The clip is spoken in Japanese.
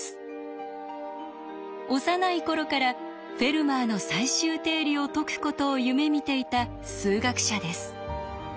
幼い頃から「フェルマーの最終定理」を解くことを夢みていた数学者です。